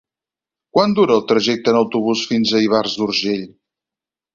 Quant dura el trajecte en autobús fins a Ivars d'Urgell?